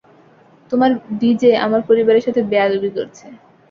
তোমার ডিজে আমার পরিবারের সাথে বেয়াদবি করছে।